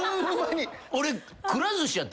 俺。